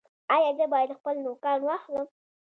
ایا زه باید خپل نوکان واخلم؟